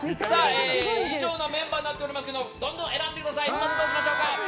以上のメンバーとなっていますがどんどん選んでください！